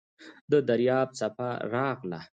د دریاب څپه راغله .